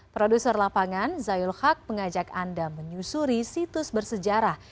produser lapangan zayul haq mengajak anda menyusuri situs bersejarah